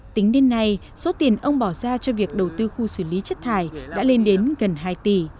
tính đến nay số tiền ông bỏ ra cho việc đầu tư khu xử lý chất thải đã lên đến gần hai tỷ